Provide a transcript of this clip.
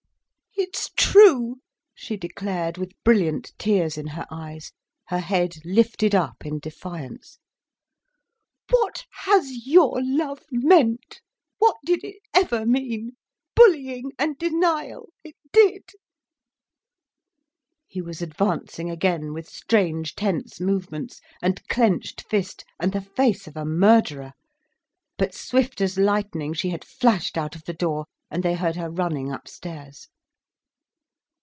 "It's true," she declared, with brilliant tears in her eyes, her head lifted up in defiance. "What has your love meant, what did it ever mean?—bullying, and denial—it did—" He was advancing again with strange, tense movements, and clenched fist, and the face of a murderer. But swift as lightning she had flashed out of the door, and they heard her running upstairs.